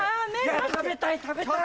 食べたい食べたい！